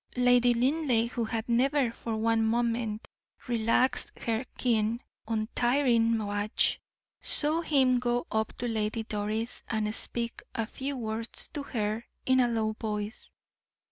Lady Linleigh, who had never for one moment relaxed her keen, untiring watch, saw him go up to Lady Doris, and speak a few words to her in a low voice.